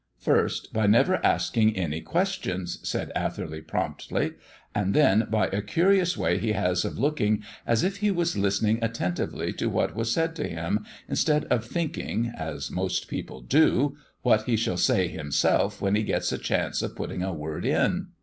"First, by never asking any questions," said Atherley promptly; "and then by a curious way he has of looking as if he was listening attentively to what was said to him, instead of thinking, as most people do, what he shall say himself when he gets a chance of putting a word in."